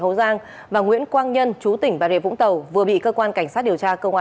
hậu giang và nguyễn quang nhân chú tỉnh bà rệ vũng tàu vừa bị cơ quan cảnh sát điều tra công an